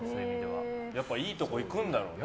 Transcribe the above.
やっぱりいいところ行くんだろうね。